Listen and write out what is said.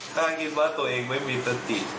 ถ้าคิดว่าตัวเองไม่มีสติ